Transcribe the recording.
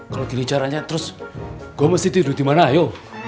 kalau gini caranya terus gue mesti tidur dimana ayo